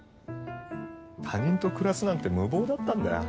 他人と暮らすなんて無謀だったんだよ。